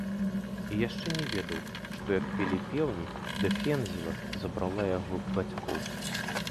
І яшчэ не ведаў, што, як пелі пеўні, дэфензіва забрала яго бацькоў.